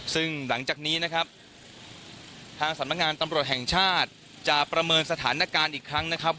ซึ่งหลังจากนี้นะครับทางสำนักงานตำรวจแห่งชาติจะประเมินสถานการณ์อีกครั้งนะครับ